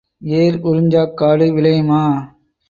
ஏர் உறிஞ்சாக் காடு விளையுமா?